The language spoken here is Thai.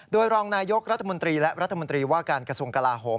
โดยรองนายกรัฐมนตรีและรัฐมนตรีว่าการกระทรวงกลาโหม